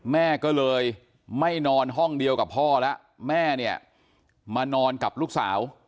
แม่ก็เลยไม่นอนห้องเดียวกับพ่อแล้วแม่เนี่ยมานอนกับลูกสาว